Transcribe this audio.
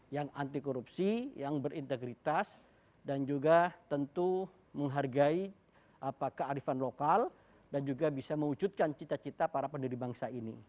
yang anti korupsi yang berintegritas dan juga tentu menghargai kearifan lokal dan juga bisa mewujudkan cita cita para pendiri bangsa ini